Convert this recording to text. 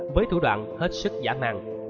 với thủ đoạn hết sức giả mạng